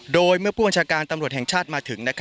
โดยเมื่อผู้บัญชาการตำรวจแห่งชาติมาถึง